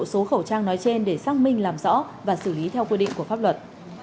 số khẩu trang nói trên để xác minh làm rõ và xử lý theo quy định của pháp luật